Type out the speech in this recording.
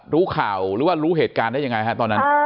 รู้ข่าวหรือว่ารู้เหตุการณ์ได้ยังไงฮะตอนนั้น